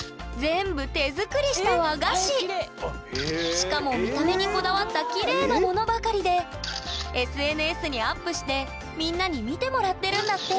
しかも見た目にこだわったきれいなものばかりでＳＮＳにアップしてみんなに見てもらってるんだって！